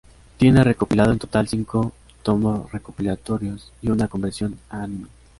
Tiene recopilado en total cinco tomos recopilatorios y una conversión a anime.